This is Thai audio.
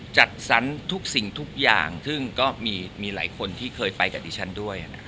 จัดสรรทุกสิ่งทุกอย่างซึ่งก็มีหลายคนที่เคยไปกับดิฉันด้วย